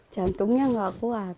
jantungnya nggak kuat